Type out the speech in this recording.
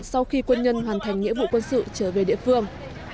sau khi quân nhân hoàn thành nghĩa vụ quân sự trở về địa phương